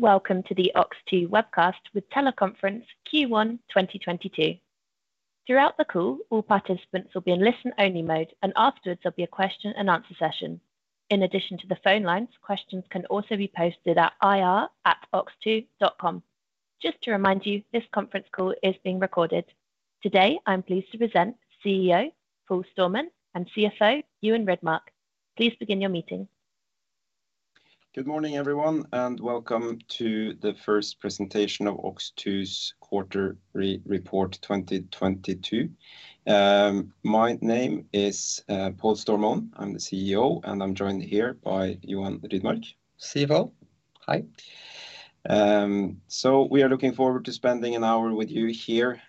Welcome to the OX2 webcast with teleconference Q1 2022. Throughout the call, all participants will be in listen-only mode, and afterwards there'll be a question and answer session. In addition to the phone lines, questions can also be posted at ir@ox2.com. Just to remind you, this conference call is being recorded. Today, I'm pleased to present CEO Paul Stormoen and CFO Johan Rydmark. Please begin your meeting. Good morning, everyone, and welcome to the first presentation of OX2's quarterly report 2022. My name is Paul Stormoen. I'm the CEO, and I'm joined here by Johan Rydmark, CFO. Hi. We are looking forward to spending an hour with you here,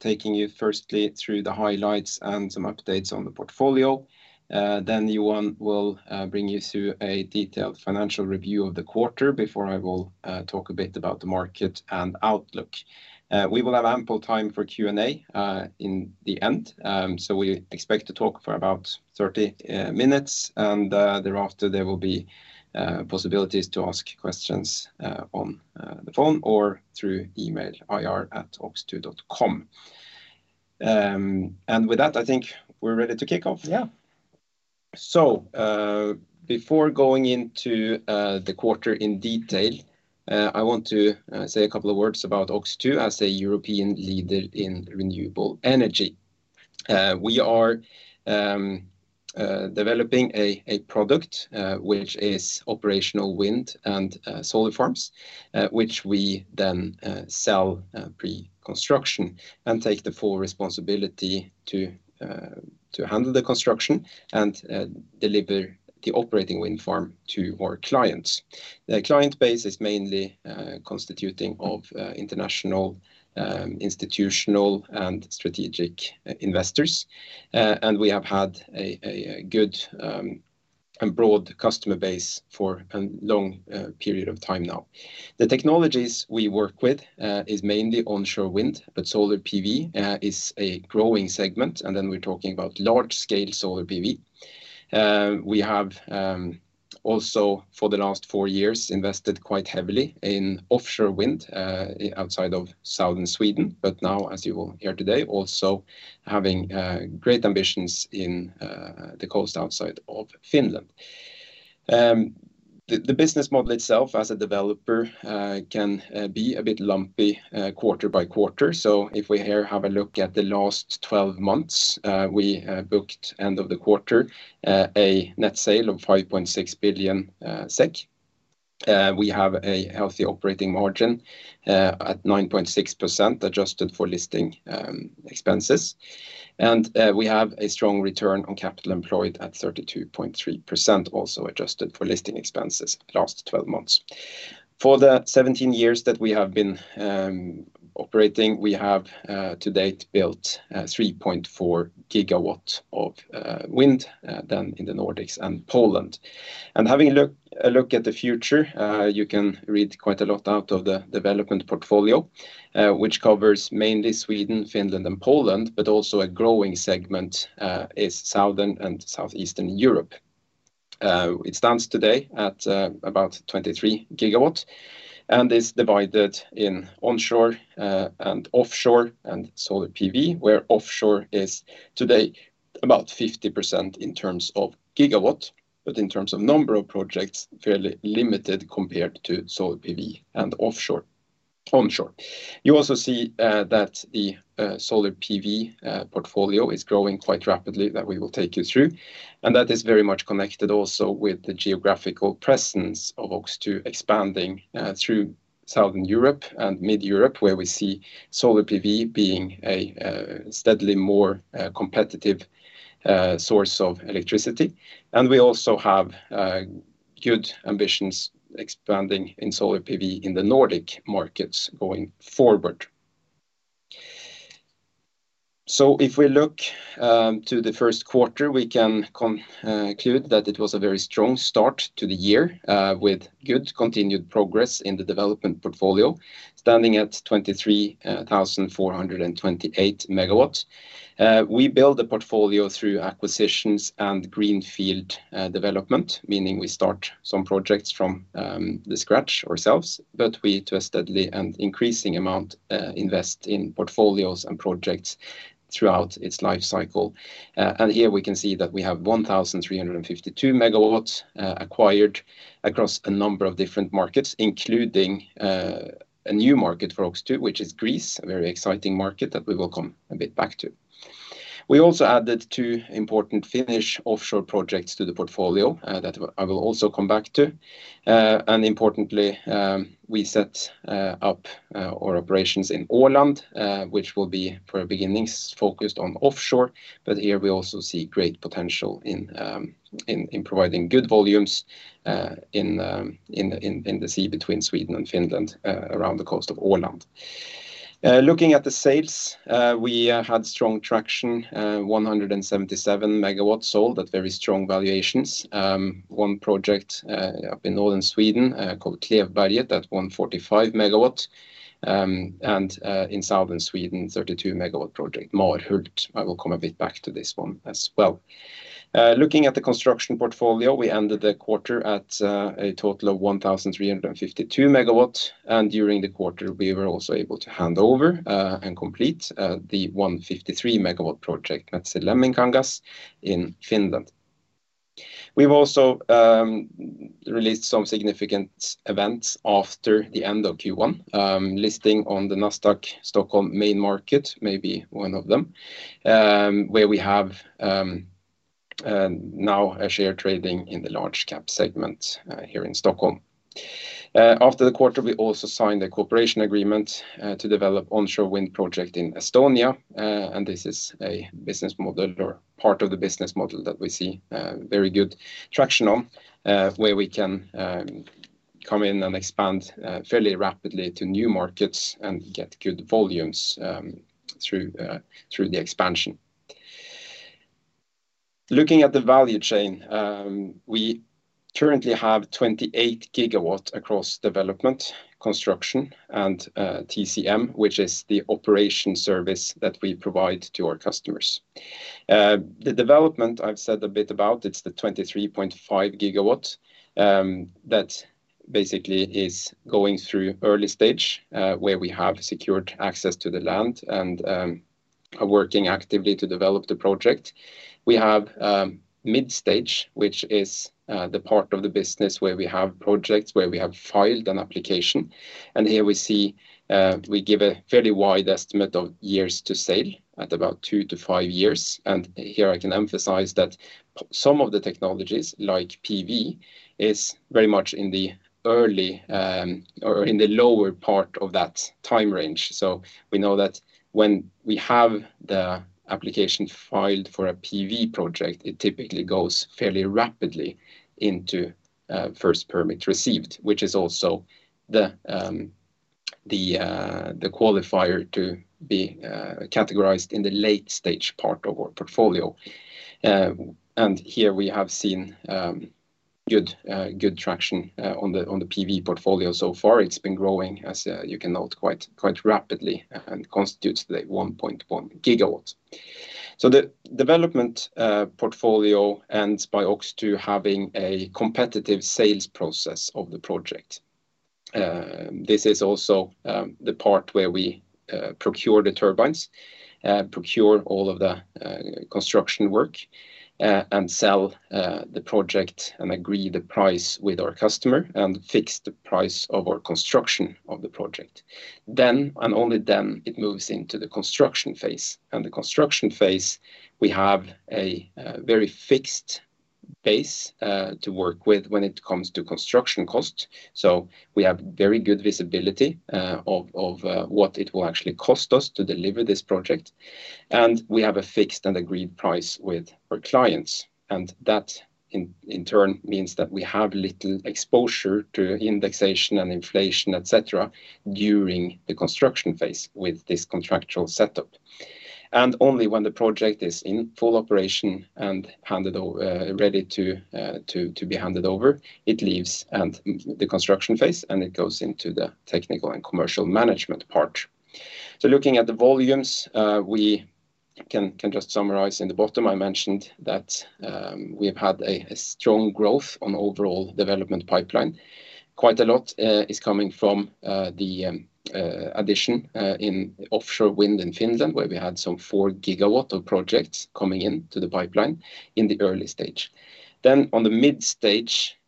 taking you firstly through the highlights and some updates on the portfolio. Johan will bring you through a detailed financial review of the quarter before I will talk a bit about the market and outlook. We will have ample time for Q&A in the end. We expect to talk for about 30 minutes, and thereafter there will be possibilities to ask questions on the phone or through email ir@ox2.com. With that, I think we're ready to kick off. Yeah. Before going into the quarter in detail, I want to say a couple of words about OX2 as a European leader in renewable energy. We are developing a product which is operational wind and solar farms, which we then sell pre-construction and take the full responsibility to handle the construction and deliver the operating wind farm to our clients. The client base is mainly constituting of international institutional and strategic investors. We have had a good and broad customer base for a long period of time now. The technologies we work with is mainly onshore wind, but solar PV is a growing segment, and then we're talking about large-scale solar PV. We have also for the last four years invested quite heavily in offshore wind outside of southern Sweden, but now, as you will hear today, also having great ambitions in the coast outside of Finland. The business model itself as a developer can be a bit lumpy quarter by quarter. If we here have a look at the last 12 months, we booked end of the quarter a net sale of 5.6 billion SEK. We have a healthy operating margin at 9.6%, adjusted for listing expenses. We have a strong return on capital employed at 32.3%, also adjusted for listing expenses the last 12 months. For the 17 years that we have been operating, we have to date built 3.4 GW of wind in the Nordics and Poland. Having a look at the future, you can read quite a lot out of the development portfolio, which covers mainly Sweden, Finland, and Poland, but also a growing segment is Southern and Southeastern Europe. It stands today at about 23 GW and is divided in onshore and offshore and solar PV, where offshore is today about 50% in terms of gigawatts, but in terms of number of projects, fairly limited compared to solar PV and onshore. You also see that the solar PV portfolio is growing quite rapidly, that we will take you through. That is very much connected also with the geographical presence of OX2 expanding through Southern Europe and Mid-Europe, where we see solar PV being a steadily more competitive source of electricity. We also have good ambitions expanding in solar PV in the Nordic markets going forward. If we look to the first quarter, we can conclude that it was a very strong start to the year with good continued progress in the development portfolio, standing at 23,428 MW. We build a portfolio through acquisitions and green field development, meaning we start some projects from the scratch ourselves, but we to a steadily and increasing amount invest in portfolios and projects throughout its life cycle. Here we can see that we have 1,352 MW acquired across a number of different markets, including a new market for OX2, which is Greece, a very exciting market that we will come a bit back to. We also added two important Finnish offshore projects to the portfolio, that I will also come back to. Importantly, we set up our operations in Åland, which will be for beginnings focused on offshore, but here we also see great potential in providing good volumes in the sea between Sweden and Finland, around the coast of Åland. Looking at the sales, we had strong traction, 177 MW sold at very strong valuations. One project up in Northern Sweden called Klevberget at 145 MW, and in Southern Sweden, 32 MW project, Marhult. I will come a bit back to this one as well. Looking at the construction portfolio, we ended the quarter at a total of 1,352 MW, and during the quarter, we were also able to hand over and complete the 153 MW project at Metsälamminkangas in Finland. We've also released some significant events after the end of Q1, listing on the Nasdaq Stockholm main market, maybe one of them, where we have now a share trading in the large cap segment here in Stockholm. After the quarter, we also signed a cooperation agreement to develop onshore wind project in Estonia. This is a business model or part of the business model that we see very good traction on, where we can come in and expand fairly rapidly to new markets and get good volumes through the expansion. Looking at the value chain, we currently have 28 GW across development, construction, and TCM, which is the operation service that we provide to our customers. The development I've said a bit about, it's the 23.5 GW that basically is going through early stage, where we have secured access to the land and are working actively to develop the project. We have mid stage, which is the part of the business where we have projects where we have filed an application. Here we see we give a fairly wide estimate of years to sale at about two to five years. Here I can emphasize that some of the technologies, like PV, is very much in the early or in the lower part of that time range. We know that when we have the application filed for a PV project, it typically goes fairly rapidly into first permit received, which is also the qualifier to be categorized in the late-stage part of our portfolio. Here we have seen good traction on the PV portfolio so far. It's been growing, as you can note, quite rapidly and constitutes 1.1 GW. The development portfolio ends by OX2 having a competitive sales process of the project. This is also the part where we procure the turbines, procure all of the construction work, and sell the project and agree the price with our customer and fix the price of our construction of the project. It moves into the construction phase. The construction phase, we have a very fixed base to work with when it comes to construction cost. We have very good visibility of what it will actually cost us to deliver this project. We have a fixed and agreed price with our clients. That in turn means that we have little exposure to indexation and inflation, et cetera, during the construction phase with this contractual setup. Only when the project is in full operation and ready to be handed over, it leaves the construction phase, and it goes into the technical and commercial management part. Looking at the volumes, we can just summarize in the bottom. I mentioned that we have had a strong growth on overall development pipeline. Quite a lot is coming from the addition in offshore wind in Finland, where we had some 4 GW of projects coming into the pipeline in the early stage. Then on the mid stage,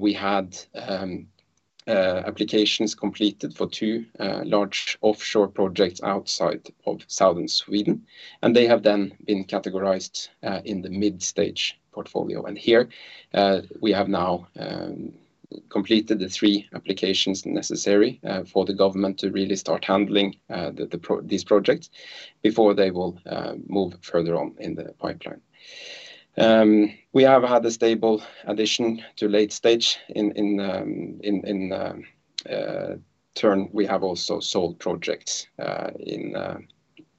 we had applications completed for two large offshore projects outside of Southern Sweden, and they have then been categorized in the mid-stage portfolio. Here we have now completed the three applications necessary for the government to really start handling these projects before they will move further on in the pipeline. We have had a stable addition to late stage. In turn, we have also sold projects in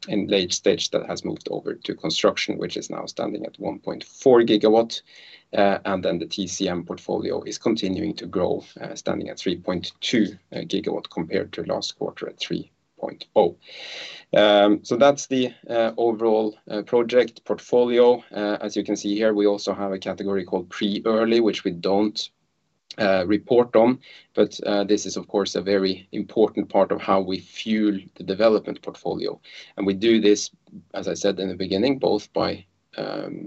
late stage that has moved over to construction, which is now standing at 1.4 GW. Then the TCM portfolio is continuing to grow, standing at 3.2 GW compared to last quarter at 3.0 GW. That's the overall project portfolio. As you can see here, we also have a category called pre-early, which we don't report on. This is of course a very important part of how we fuel the development portfolio. We do this, as I said in the beginning, both by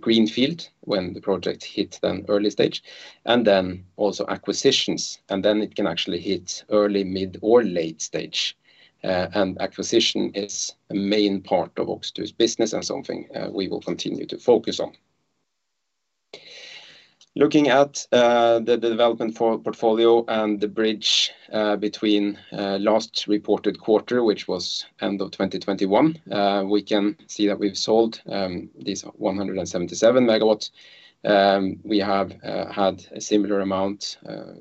greenfield, when the project hits an early stage, and then also acquisitions, and then it can actually hit early, mid, or late stage. Acquisition is a main part of OX2's business and something we will continue to focus on. Looking at the development portfolio and the bridge between last reported quarter, which was end of 2021, we can see that we've sold these 177 MW. We have had a similar amount,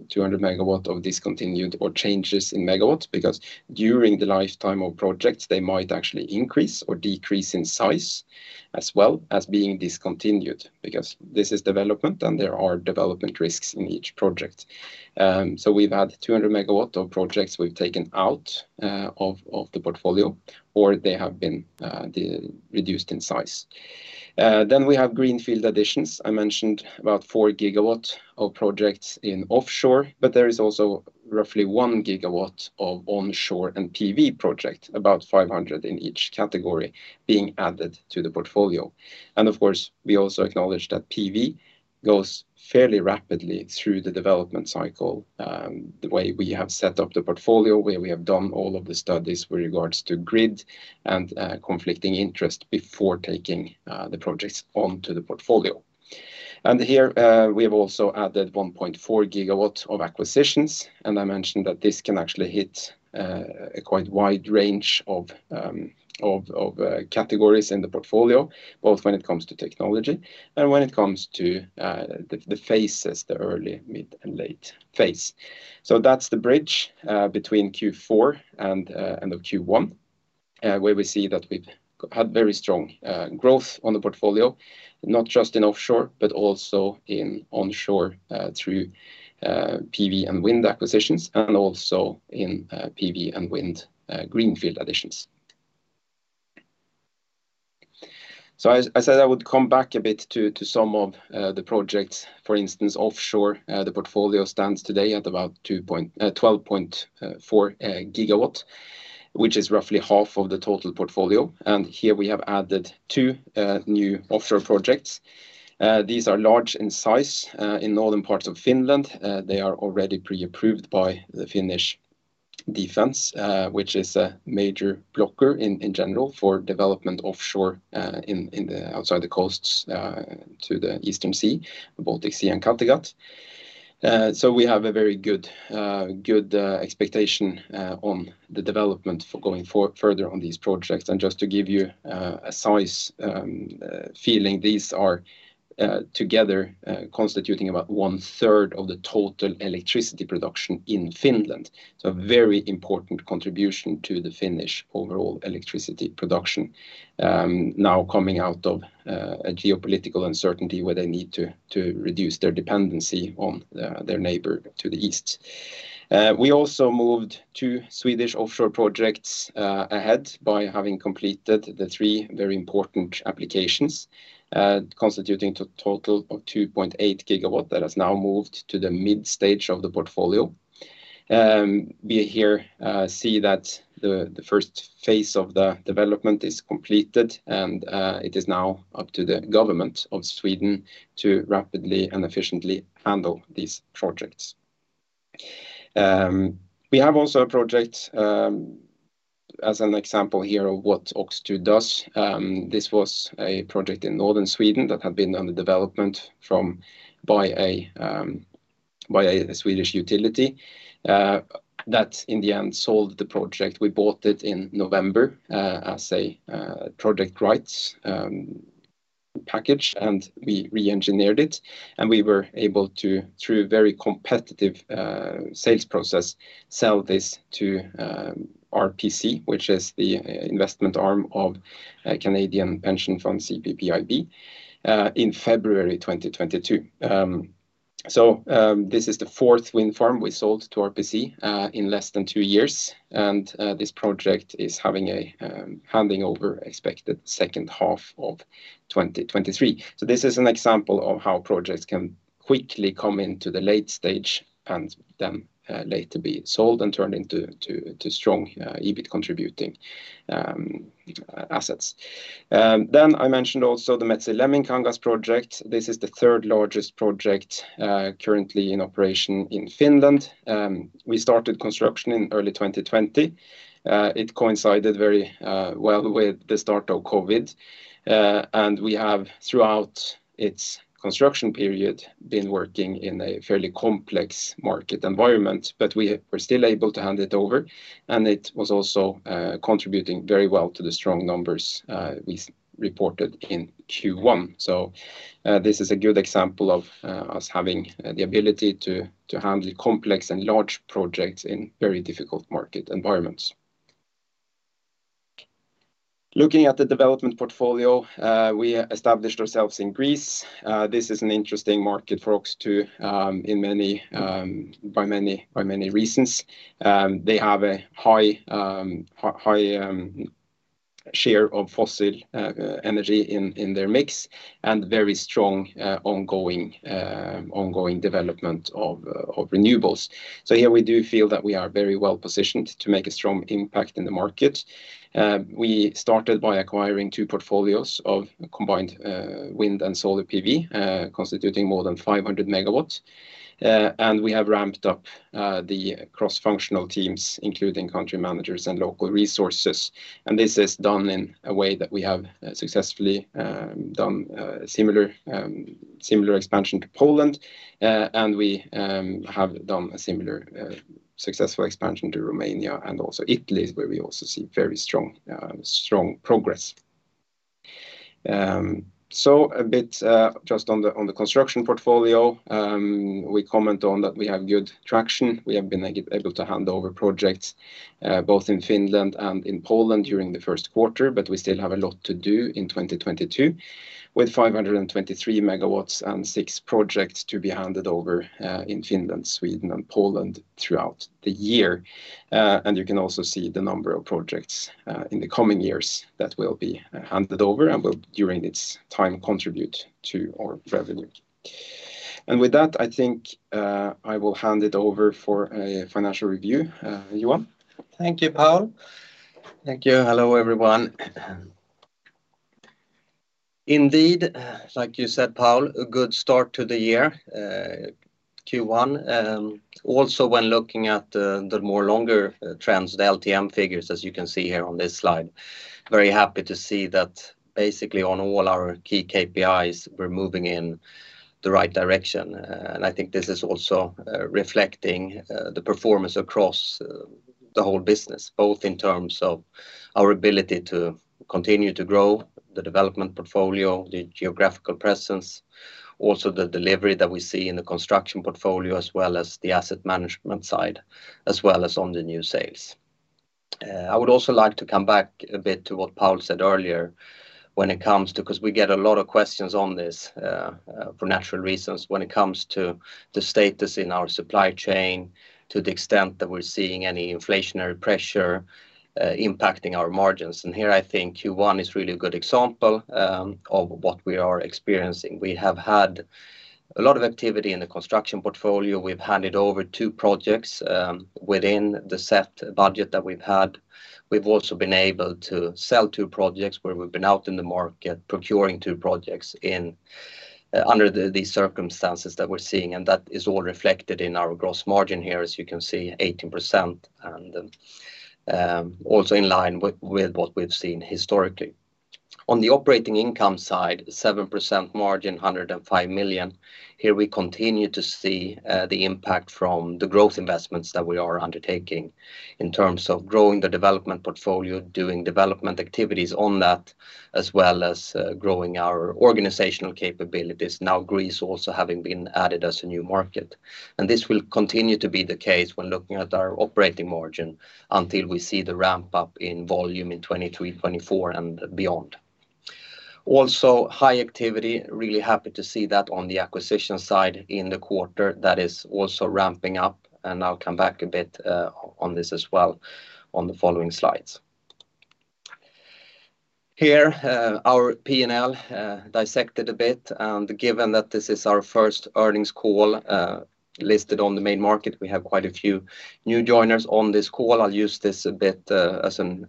200 MW of discontinued or changes in megawatts because during the lifetime of projects, they might actually increase or decrease in size as well as being discontinued because this is development and there are development risks in each project. We've had 200 MW of projects we've taken out of the portfolio, or they have been reduced in size. We have greenfield additions. I mentioned about 4 GW of projects in offshore, but there is also roughly 1 GW of onshore and PV project, about 500 in each category being added to the portfolio. Of course, we also acknowledge that PV goes fairly rapidly through the development cycle, the way we have set up the portfolio, where we have done all of the studies with regards to grid and conflicting interest before taking the projects onto the portfolio. Here, we have also added 1.4 GW of acquisitions, and I mentioned that this can actually hit a quite wide range of categories in the portfolio, both when it comes to technology and when it comes to the phases, the early, mid and late phase. That's the bridge between Q4 and end of Q1, where we see that we've had very strong growth on the portfolio, not just in offshore, but also in onshore, through PV and wind acquisitions and also in PV and wind greenfield additions. As I said, I would come back a bit to some of the projects. For instance, offshore, the portfolio stands today at about 12.4 GW, which is roughly half of the total portfolio. Here we have added two new offshore projects. These are large in size in northern parts of Finland. They are already pre-approved by the Finnish Defense, which is a major blocker in general for development offshore, outside the coasts, to the Eastern Sea, the Baltic Sea and Kattegat. We have a very good expectation on the development for further on these projects. Just to give you a size feeling, these are together constituting about 1/3 of the total electricity production in Finland. A very important contribution to the Finnish overall electricity production, now coming out of a geopolitical uncertainty where they need to reduce their dependency on their neighbor to the east. We also moved two Swedish offshore projects ahead by having completed the three very important applications, constituting to a total of 2.8 GW that has now moved to the mid stage of the portfolio. We here see that the first phase of the development is completed, and it is now up to the government of Sweden to rapidly and efficiently handle these projects. We have also a project as an example here of what OX2 does. This was a project in northern Sweden that had been under development by a Swedish utility that in the end sold the project. We bought it in November, as a project rights package, and we re-engineered it, and we were able to, through a very competitive sales process, sell this to RPC, which is the investment arm of a Canadian pension fund, CPPIB, in February 2022. This is the fourth wind farm we sold to RPC in less than two years. This project is having a handover expected second half of 2023. This is an example of how projects can quickly come into the late stage and then later be sold and turned into strong EBIT contributing assets. I mentioned also the Metsälamminkangas project. This is the third largest project currently in operation in Finland. We started construction in early 2020. It coincided very well with the start of COVID. We have, throughout its construction period, been working in a fairly complex market environment, but we were still able to hand it over, and it was also contributing very well to the strong numbers we reported in Q1. This is a good example of us having the ability to handle complex and large projects in very difficult market environments. Looking at the development portfolio, we established ourselves in Greece. This is an interesting market for OX2, for many reasons. They have a high share of fossil energy in their mix and very strong ongoing development of renewables. Here we do feel that we are very well-positioned to make a strong impact in the market. We started by acquiring two portfolios of combined wind and solar PV, constituting more than 500 MW. We have ramped up the cross-functional teams, including country managers and local resources. This is done in a way that we have successfully done similar expansion to Poland. We have done a similar successful expansion to Romania and also Italy, where we also see very strong progress. A bit just on the construction portfolio, we comment on that we have good traction. We have been able to hand over projects, both in Finland and in Poland during the first quarter, but we still have a lot to do in 2022, with 523 MW and six projects to be handed over, in Finland, Sweden and Poland throughout the year. You can also see the number of projects in the coming years that will be handed over and will, during its time, contribute to our revenue. With that, I think, I will hand it over for a financial review. Johan. Thank you, Paul. Thank you. Hello, everyone. Indeed, like you said, Paul, a good start to the year, Q1. Also when looking at the longer trends, the LTM figures, as you can see here on this slide. Very happy to see that basically on all our key KPIs, we're moving in the right direction. I think this is also reflecting the performance across the whole business, both in terms of our ability to continue to grow the development portfolio, the geographical presence, also the delivery that we see in the construction portfolio, as well as the asset management side, as well as on the new sales. I would also like to come back a bit to what Paul said earlier when it comes to, 'cause we get a lot of questions on this, for natural reasons when it comes to the status in our supply chain, to the extent that we're seeing any inflationary pressure impacting our margins. Here I think Q1 is really a good example of what we are experiencing. We have had a lot of activity in the construction portfolio. We've handed over two projects within the set budget that we've had. We've also been able to sell two projects where we've been out in the market procuring two projects under these circumstances that we're seeing, and that is all reflected in our gross margin here as you can see, 18%. Also in line with what we've seen historically. On the operating income side, 7% margin, 105 million. Here we continue to see the impact from the growth investments that we are undertaking in terms of growing the development portfolio, doing development activities on that, as well as growing our organizational capabilities, now Greece also having been added as a new market. This will continue to be the case when looking at our operating margin until we see the ramp up in volume in 2023, 2024, and beyond. Also, high activity, really happy to see that on the acquisition side in the quarter. That is also ramping up, and I'll come back a bit on this as well on the following slides. Here, our P&L dissected a bit, and given that this is our first earnings call listed on the main market, we have quite a few new joiners on this call. I'll use this a bit as an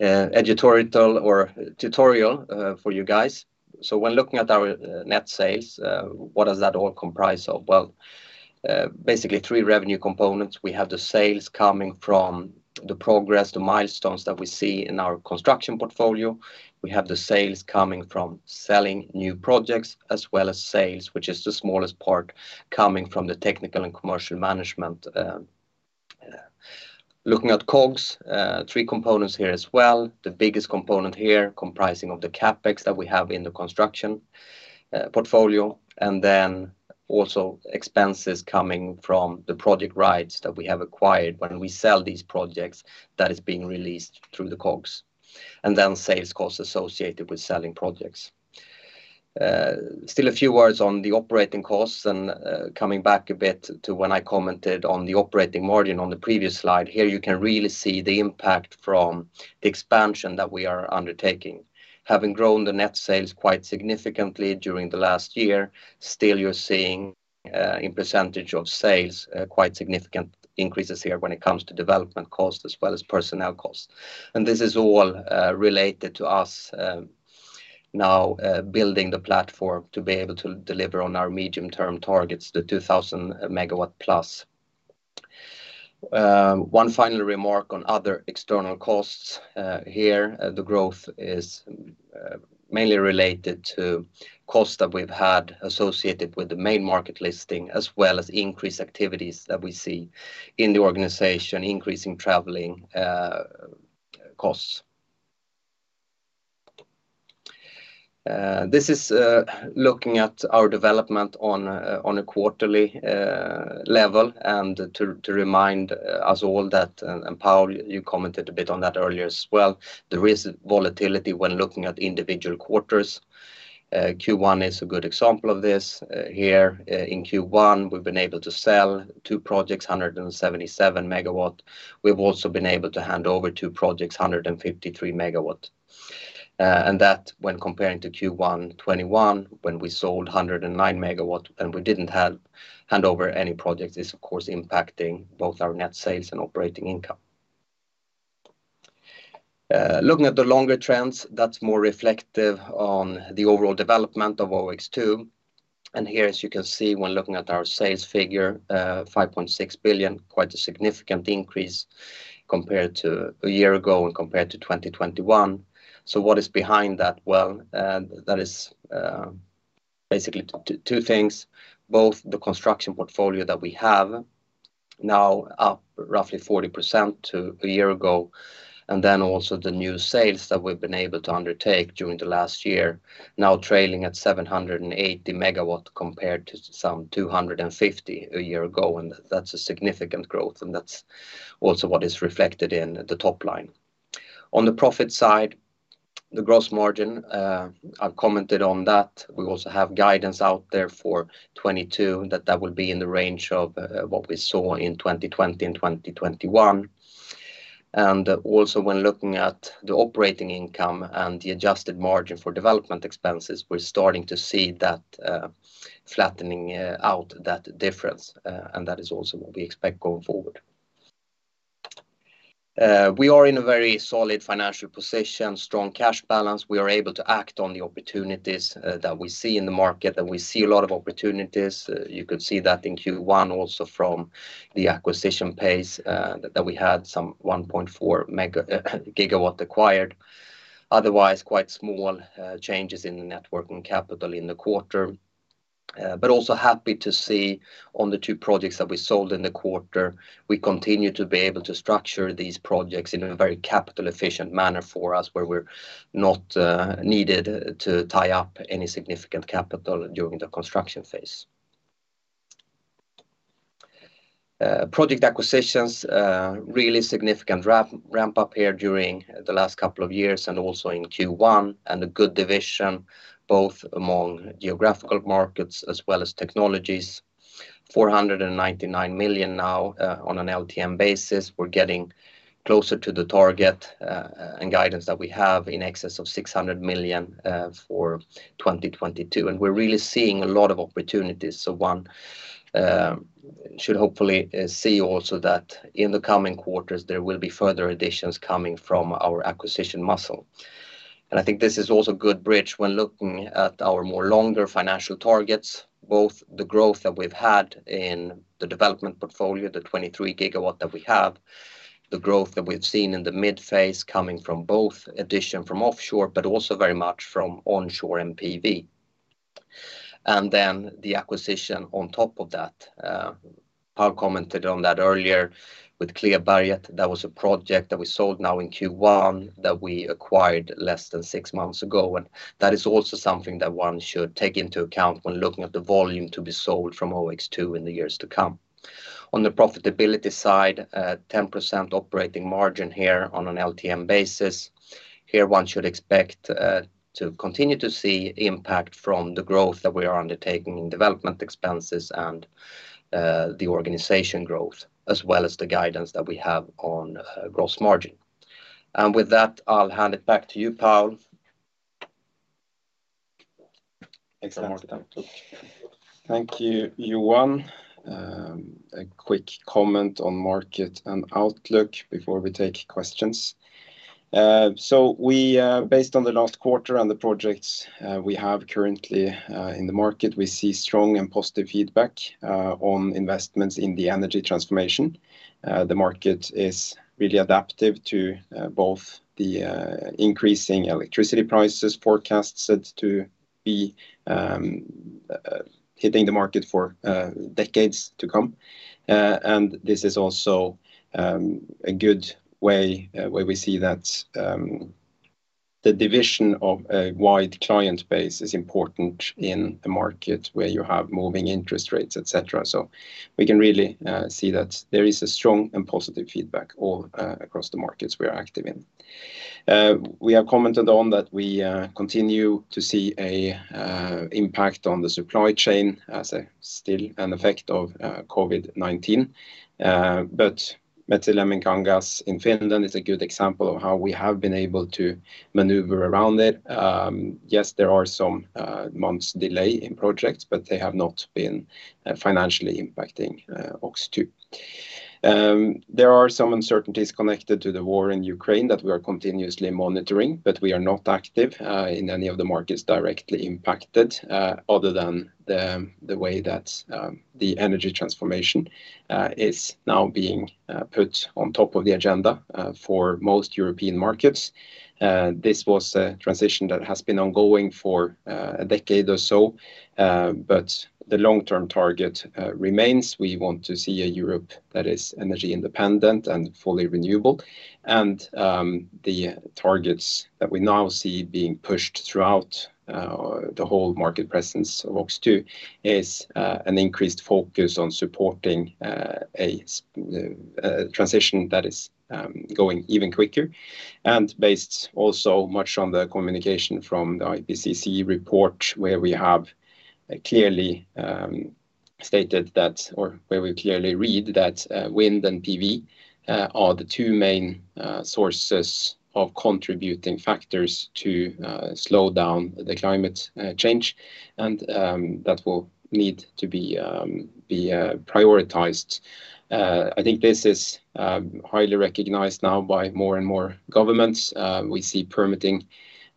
editorial or tutorial for you guys. When looking at our net sales, what does that all comprise of? Well, basically three revenue components. We have the sales coming from the progress, the milestones that we see in our construction portfolio. We have the sales coming from selling new projects, as well as sales, which is the smallest part coming from the technical and commercial management. Looking at COGS, three components here as well. The biggest component here comprising of the CapEx that we have in the construction portfolio, and then also expenses coming from the project rights that we have acquired when we sell these projects that is being released through the COGS. Then sales costs associated with selling projects. Still a few words on the operating costs and coming back a bit to when I commented on the operating margin on the previous slide. Here you can really see the impact from the expansion that we are undertaking. Having grown the net sales quite significantly during the last year, still you're seeing, in percentage of sales, quite significant increases here when it comes to development cost as well as personnel cost. This is all related to us now building the platform to be able to deliver on our medium term targets, the 2,000+ MW. One final remark on other external costs. Here, the growth is mainly related to costs that we've had associated with the main market listing, as well as increased activities that we see in the organization, increase in traveling costs. This is looking at our development on a quarterly level and to remind us all that, and Paul, you commented a bit on that earlier as well, there is volatility when looking at individual quarters. Q1 is a good example of this. Here, in Q1, we've been able to sell two projects, 177 MW. We've also been able to hand over two projects, 153 MW. That when comparing to Q1 2021, when we sold 109 MW and we didn't have handover any projects is of course impacting both our net sales and operating income. Looking at the longer trends, that's more reflective on the overall development of OX2. Here as you can see when looking at our sales figure, 5.6 billion, quite a significant increase compared to a year ago and compared to 2021. What is behind that? Well, that is basically two things, both the construction portfolio that we have now up roughly 40% to a year ago, and then also the new sales that we've been able to undertake during the last year, now trailing at 780 MW compared to some 250 MW a year ago, and that's a significant growth, and that's also what is reflected in the top line. On the profit side, the gross margin, I've commented on that. We also have guidance out there for 2022, that will be in the range of what we saw in 2020 and 2021. Also when looking at the operating income and the adjusted margin for development expenses, we're starting to see that flattening out that difference, and that is also what we expect going forward. We are in a very solid financial position, strong cash balance. We are able to act on the opportunities that we see in the market, and we see a lot of opportunities. You could see that in Q1 also from the acquisition pace that we had some 1.4 GW acquired. Otherwise, quite small changes in the net working capital in the quarter. Also happy to see on the two projects that we sold in the quarter, we continue to be able to structure these projects in a very capital efficient manner for us, where we're not needed to tie up any significant capital during the construction phase. Project acquisitions really significant ramp up here during the last couple of years and also in Q1, and a good division both among geographical markets as well as technologies. 499 million now, on an LTM basis. We're getting closer to the target, and guidance that we have in excess of 600 million, for 2022. We're really seeing a lot of opportunities. One should hopefully see also that in the coming quarters, there will be further additions coming from our acquisition muscle. I think this is also a good bridge when looking at our more longer financial targets, both the growth that we've had in the development portfolio, the 23 GW that we have, the growth that we've seen in the mid-phase coming from both addition from offshore, but also very much from onshore PV. Then the acquisition on top of that, Paul commented on that earlier with Klevberget. That was a project that we sold now in Q1 that we acquired less than six months ago, and that is also something that one should take into account when looking at the volume to be sold from OX2 in the years to come. On the profitability side, 10% operating margin here on an LTM basis. Here one should expect to continue to see impact from the growth that we are undertaking in development expenses and the organization growth, as well as the guidance that we have on gross margin. With that, I'll hand it back to you, Paul. Excellent. Thank you, Johan. A quick comment on market and outlook before we take questions. We based on the last quarter and the projects we have currently in the market, we see strong and positive feedback on investments in the energy transformation. The market is really adaptive to both the increasing electricity prices forecast set to be hitting the market for decades to come. This is also a good way where we see that the division of a wide client base is important in a market where you have moving interest rates, et cetera. We can really see that there is a strong and positive feedback all across the markets we are active in. We have commented on that we continue to see an impact on the supply chain as still an effect of COVID-19. Metsälamminkangas in Finland is a good example of how we have been able to maneuver around it. Yes, there are some months delay in projects, but they have not been financially impacting OX2. There are some uncertainties connected to the war in Ukraine that we are continuously monitoring, but we are not active in any of the markets directly impacted other than the way that the energy transformation is now being put on top of the agenda for most European markets. This was a transition that has been ongoing for a decade or so, but the long-term target remains. We want to see a Europe that is energy independent and fully renewable. The targets that we now see being pushed throughout the whole market presence of OX2 is an increased focus on supporting a transition that is going even quicker. Based also much on the communication from the IPCC report, where we have clearly stated that, or where we clearly read that, wind and PV are the two main sources of contributing factors to slow down the climate change and that will need to be prioritized. I think this is highly recognized now by more and more governments. We see permitting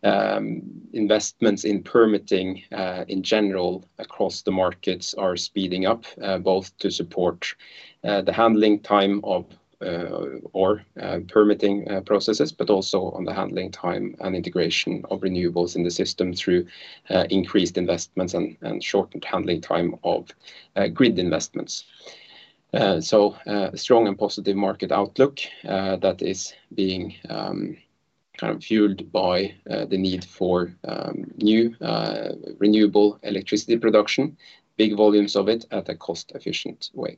investments in permitting in general across the markets are speeding up, both to support the handling time of our permitting processes, but also on the handling time and integration of renewables in the system through increased investments and shortened handling time of grid investments. A strong and positive market outlook that is being kind of fueled by the need for new renewable electricity production, big volumes of it at a cost-efficient way.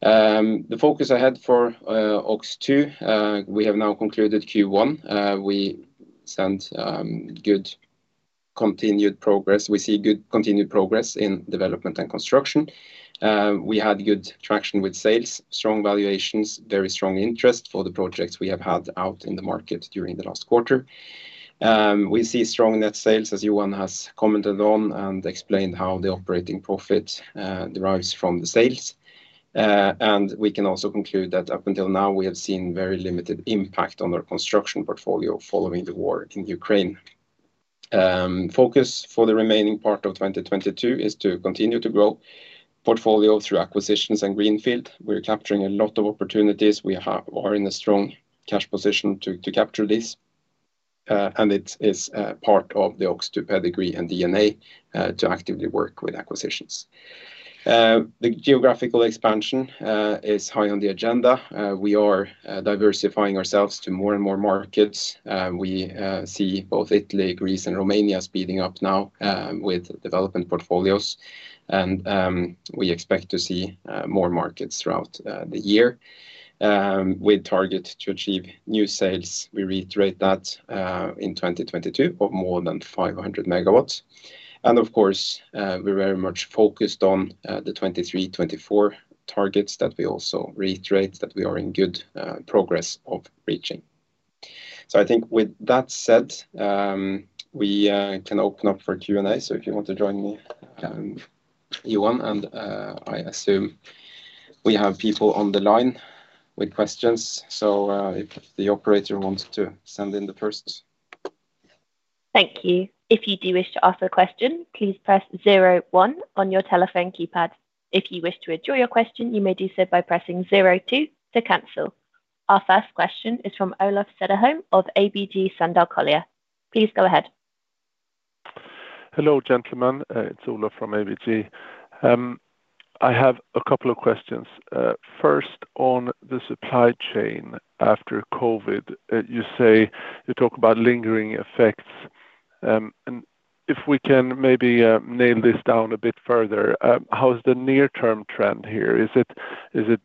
The focus I had for OX2, we have now concluded Q1. We see good continued progress in development and construction. We had good traction with sales, strong valuations, very strong interest for the projects we have had out in the market during the last quarter. We see strong net sales, as Johan has commented on and explained how the operating profit derives from the sales. We can also conclude that up until now, we have seen very limited impact on our construction portfolio following the war in Ukraine. Focus for the remaining part of 2022 is to continue to grow portfolio through acquisitions and greenfield. We're capturing a lot of opportunities. We're in a strong cash position to capture this. It is part of the OX2 pedigree and DNA to actively work with acquisitions. The geographical expansion is high on the agenda. We are diversifying ourselves to more and more markets. We see both Italy, Greece, and Romania speeding up now, with development portfolios and we expect to see more markets throughout the year. We target to achieve new sales, we reiterate that, in 2022 of more than 500 MW. Of course, we're very much focused on the 2023, 2024 targets that we also reiterate that we are in good progress of reaching. I think with that said, we can open up for Q&A. If you want to join me, Johan, and I assume we have people on the line with questions. If the operator wants to send in the first. Thank you. If you do wish to ask a question, please press zero one on your telephone keypad. If you wish to withdraw your question, you may do so by pressing zero two to cancel. Our first question is from Olof Cederholm of ABG Sundal Collier. Please go ahead. Hello, gentlemen. It's Olof from ABG. I have a couple of questions. First on the supply chain after COVID, you say you talk about lingering effects. If we can maybe nail this down a bit further, how is the near-term trend here? Is it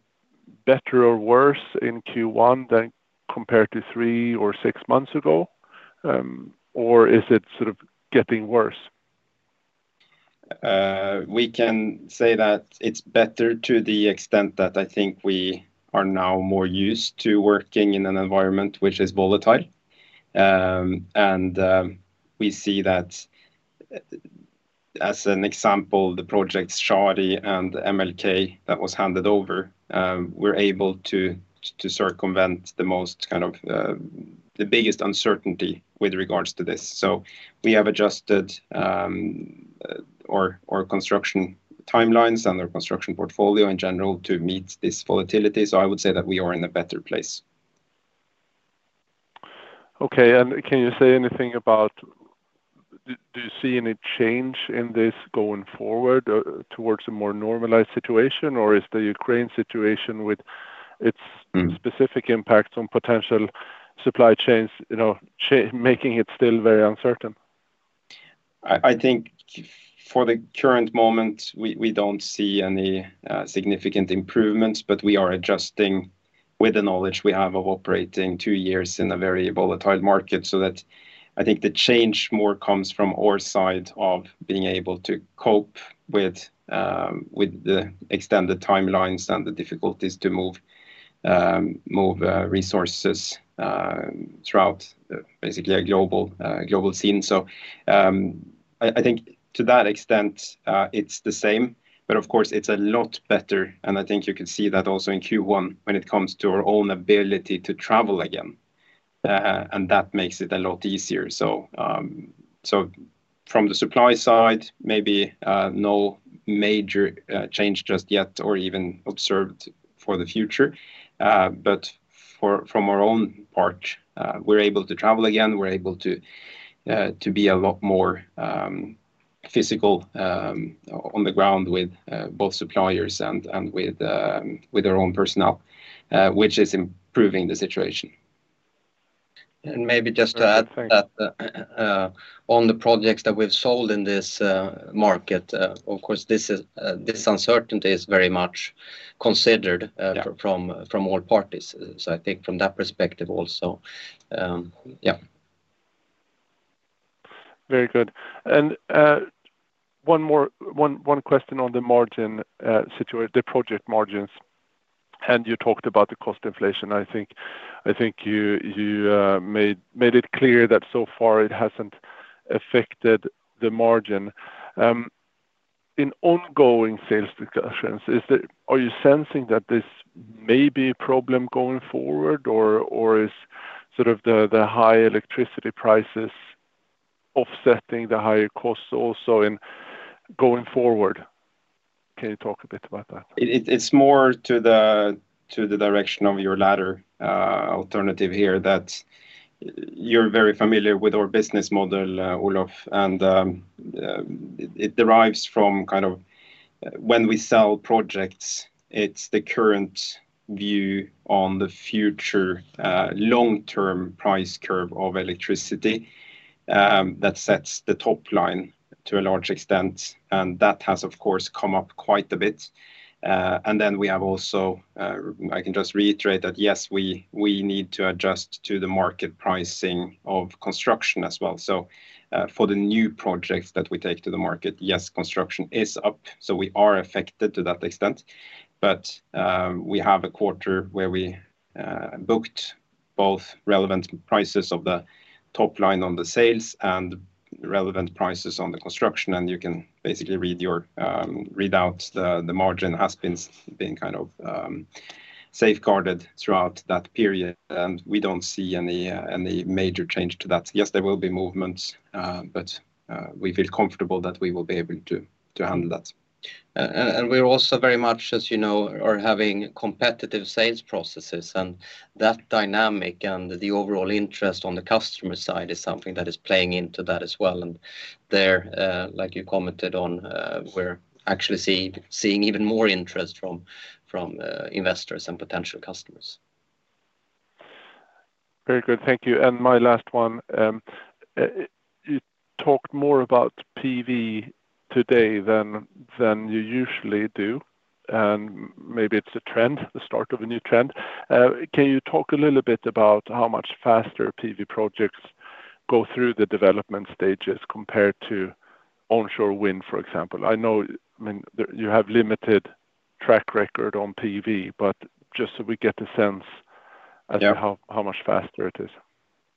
better or worse in Q1 than compared to three or six months ago? Or is it sort of getting worse? We can say that it's better to the extent that I think we are now more used to working in an environment which is volatile. We see that as an example, the projects Szaniec and MLK that was handed over, we're able to circumvent the biggest uncertainty with regards to this. We have adjusted our construction timelines and our construction portfolio in general to meet this volatility. I would say that we are in a better place. Okay. Can you say anything about, do you see any change in this going forward, towards a more normalized situation? Or is the Ukraine situation with its... Mm ...specific impacts on potential supply chains, you know, making it still very uncertain? I think for the current moment, we don't see any significant improvements, but we are adjusting with the knowledge we have of operating two years in a very volatile market. That I think the change more comes from our side of being able to cope with the extended timelines and the difficulties to move resources throughout basically a global scene. I think to that extent it's the same, but of course it's a lot better, and I think you can see that also in Q1 when it comes to our own ability to travel again. That makes it a lot easier. From the supply side, maybe no major change just yet or even observed for the future. From our own part, we're able to travel again. We're able to be a lot more physical on the ground with both suppliers and with our own personnel, which is improving the situation. Maybe just to add that... Great. Thanks On the projects that we've sold in this market, of course, this uncertainty is very much considered... Yeah ...from all parties. I think from that perspective also, yeah. Very good. One question on the margin, the project margins, and you talked about the cost inflation. I think you made it clear that so far it hasn't affected the margin. In ongoing sales discussions, are you sensing that this may be a problem going forward or is sort of the high electricity prices offsetting the higher costs also going forward? Can you talk a bit about that? It's more to the direction of your latter alternative here that you're very familiar with our business model, Olof, and it derives from kind of when we sell projects, it's the current view on the future long-term price curve of electricity that sets the top line to a large extent. That has, of course, come up quite a bit. We have also, I can just reiterate that, yes, we need to adjust to the market pricing of construction as well. For the new projects that we take to the market, yes, construction is up, so we are affected to that extent. We have a quarter where we booked both relevant prices of the top line on the sales and relevant prices on the construction, and you can basically read that the margin has been kind of safeguarded throughout that period. We don't see any major change to that. Yes, there will be movements, but we feel comfortable that we will be able to handle that. We're also very much, as you know, are having competitive sales processes and that dynamic and the overall interest on the customer side is something that is playing into that as well. There, like you commented on, we're actually seeing even more interest from investors and potential customers. Very good. Thank you. My last one, you talked more about PV today than you usually do, and maybe it's a trend, the start of a new trend. Can you talk a little bit about how much faster PV projects go through the development stages compared to onshore wind, for example? I know, I mean, you have limited track record on PV, but just so we get a sense. Yeah As to how much faster it is.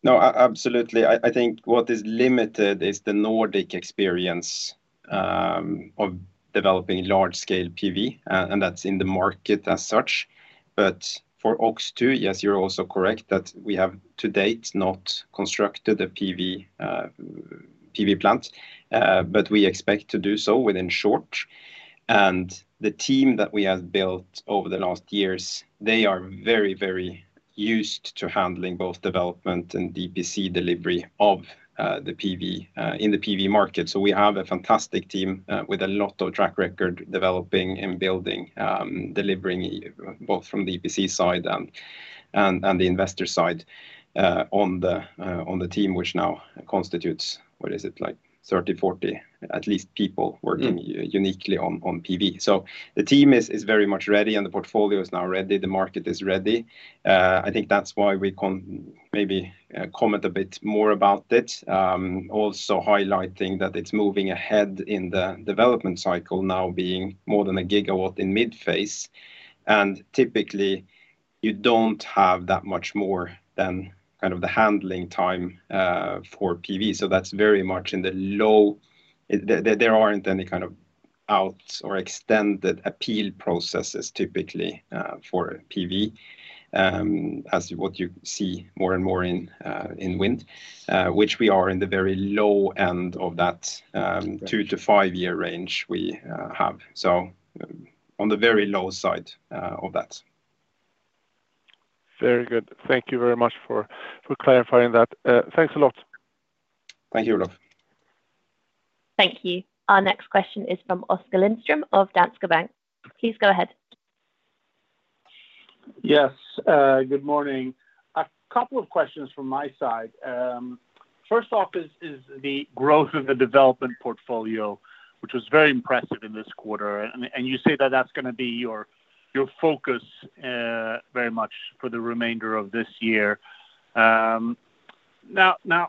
Absolutely. I think what is limited is the Nordic experience of developing large scale PV, and that's in the market as such. For OX2, yes, you're also correct that we have to date not constructed a PV plant. We expect to do so within short. The team that we have built over the last years, they are very, very used to handling both development and EPC delivery of the PV in the PV market. We have a fantastic team with a lot of track record developing and building, delivering both from EPC side and the investor side on the team, which now constitutes, what is it? Like 30, 40 at least people working uniquely on PV. The team is very much ready, and the portfolio is now ready. The market is ready. I think that's why we can maybe comment a bit more about it. Also highlighting that it's moving ahead in the development cycle now being more than a gigawatt in mid phase. Typically you don't have that much more than kind of the handling time for PV. That's very much in the low. There aren't any kind of outs or extended appeal processes typically for PV, as what you see more and more in wind, which we are in the very low end of that two to five year range we have. On the very low side of that. Very good. Thank you very much for clarifying that. Thanks a lot. Thank you, Olof. Thank you. Our next question is from Oskar Lindström of Danske Bank. Please go ahead. Yes, good morning. A couple of questions from my side. First off is the growth of the development portfolio, which was very impressive in this quarter. You say that that's gonna be your focus very much for the remainder of this year. Now, a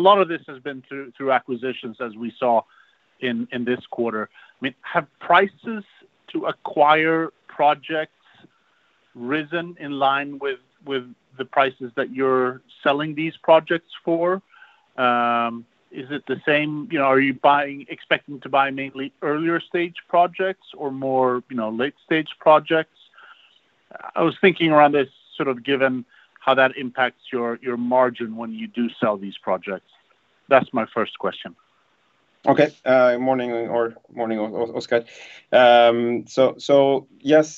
lot of this has been through acquisitions as we saw in this quarter. I mean, have prices to acquire projects risen in line with the prices that you're selling these projects for? Is it the same? You know, are you buying, expecting to buy mainly earlier stage projects or more late stage projects? I was thinking around this sort of given how that impacts your margin when you do sell these projects. That's my first question. Okay. Morning, Oskar. Yes,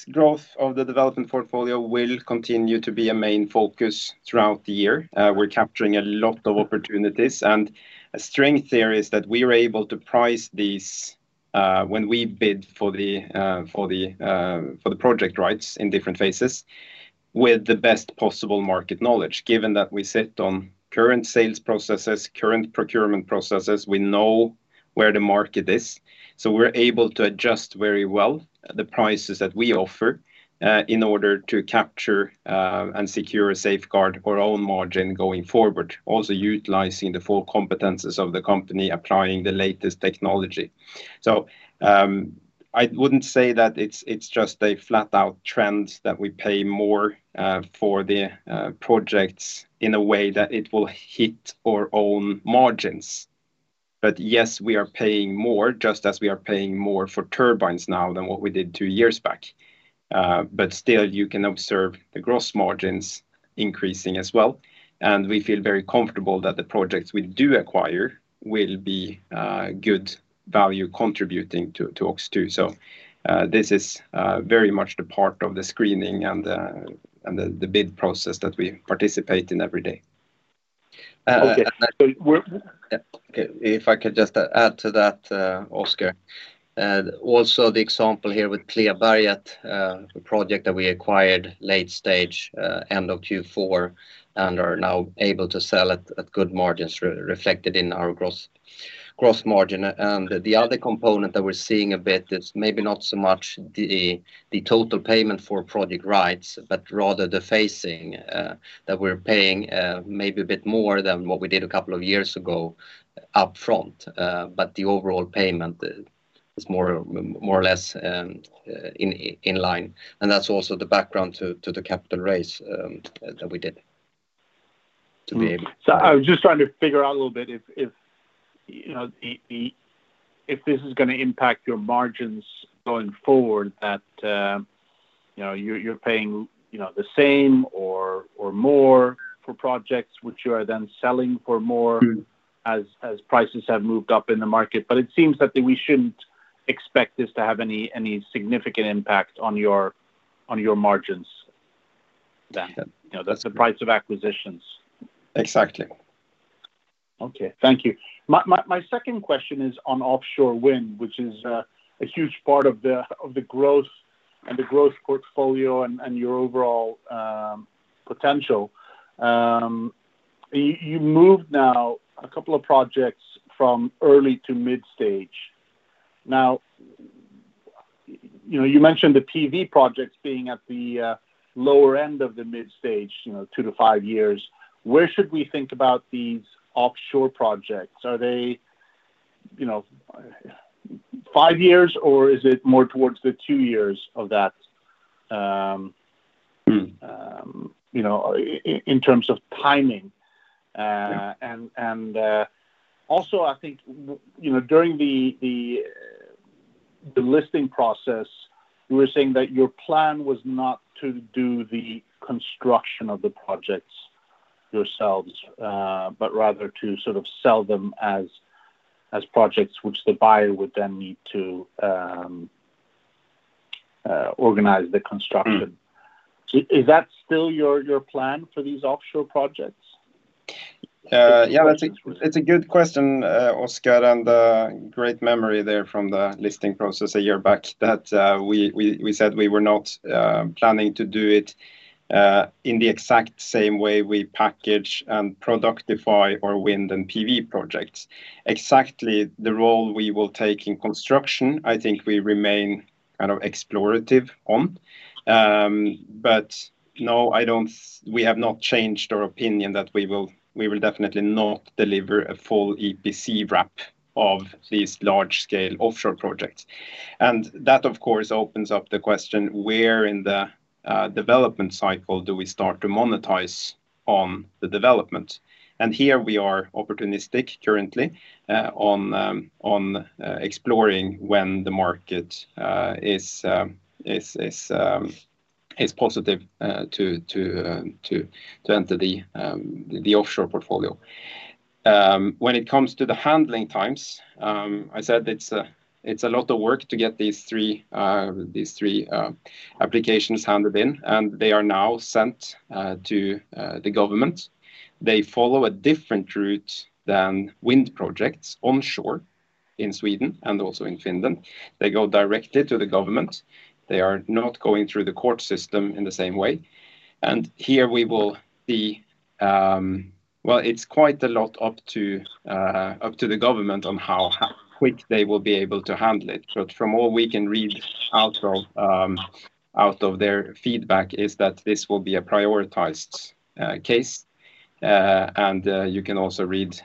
growth of the development portfolio will continue to be a main focus throughout the year. We're capturing a lot of opportunities, and a strength there is that we are able to price these when we bid for the project rights in different phases with the best possible market knowledge. Given that we sit on current sales processes, current procurement processes, we know where the market is, so we're able to adjust very well the prices that we offer in order to capture and secure and safeguard our own margin going forward. Also utilizing the full competencies of the company, applying the latest technology. I wouldn't say that it's just a flat out trend that we pay more for the projects in a way that it will hit our own margins. Yes, we are paying more just as we are paying more for turbines now than what we did two years back. Still you can observe the gross margins increasing as well, and we feel very comfortable that the projects we do acquire will be good value contributing to OX2. This is very much the part of the screening and the bid process that we participate in every day. Okay. Yeah. If I could just add to that, Oskar. Also the example here with Klevberget, a project that we acquired late stage, end of Q4 and are now able to sell at good margins reflected in our gross margin. The other component that we're seeing a bit is maybe not so much the total payment for project rights, but rather the financing that we're paying, maybe a bit more than what we did a couple of years ago upfront. The overall payment is more or less in line, and that's also the background to the capital raise that we did to be... I was just trying to figure out a little bit if you know if this is gonna impact your margins going forward, that you know you're paying you know the same or more for projects which you are then selling for more... Mm-hmm ...as prices have moved up in the market. It seems that we shouldn't expect this to have any significant impact on your margins then. Yeah. You know, that's the price of acquisitions. Exactly. Okay. Thank you. My second question is on offshore wind, which is a huge part of the growth and the growth portfolio and your overall potential. You moved now a couple of projects from early to mid stage. Now, you know, you mentioned the PV projects being at the lower end of the mid stage, you know, 2-5 years. Where should we think about these offshore projects? Are they, you know, 5 years or is it more towards the 2 years of that? You know, in terms of timing. Yeah Also, I think, you know, during the listing process, you were saying that your plan was not to do the construction of the projects yourselves, but rather to sort of sell them as projects which the buyer would then need to organize the construction. Mm. Is that still your plan for these offshore projects? Yeah, that's a good question, Oskar, and great memory there from the listing process a year back that we said we were not planning to do it in the exact same way we package and productify our wind and PV projects. Exactly the role we will take in construction, I think we remain kind of explorative on. But no, we have not changed our opinion that we will definitely not deliver a full EPC wrap of these large scale offshore projects. That of course opens up the question, where in the development cycle do we start to monetize on the development? Here we are opportunistic currently on exploring when the market is positive to enter the offshore portfolio. When it comes to the handling times, I said it's a lot of work to get these three applications handed in, and they are now sent to the government. They follow a different route than wind projects onshore in Sweden and also in Finland. They go directly to the government. They are not going through the court system in the same way. Here we will be, well, it's quite a lot up to the government on how quick they will be able to handle it. From all we can read out of their feedback is that this will be a prioritized case. You can also read